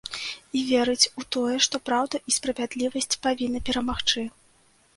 І верыць у тое, што праўда і справядлівасць павінны перамагчы.